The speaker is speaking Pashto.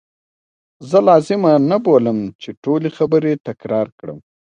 زه لازمه نه بولم چې ټولي خبرې تکرار کړم.